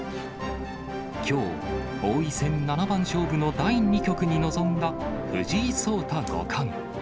きょう、王位戦七番勝負の第２局に臨んだ藤井聡太五冠。